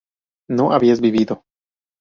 no habías vivido